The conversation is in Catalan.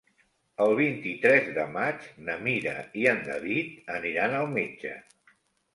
El vint-i-tres de maig na Mira i en David aniran al metge.